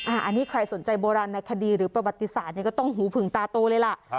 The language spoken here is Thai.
อันนี้ใครสนใจโบราณในคดีหรือประวัติศาสตร์ก็ต้องหูผึงตาโตเลยล่ะ